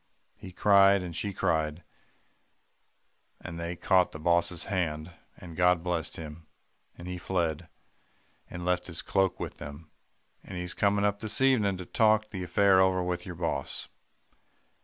He cried, and she cried; and they caught the boss's hand, and God blessed him; and he fled, and left his cloak with them; and he's coming up this evening to talk the affair over with your boss."